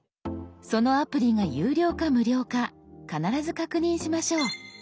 そのアプリが有料か無料か必ず確認しましょう。